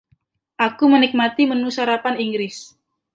Aku menikmati menu sarapan Inggris.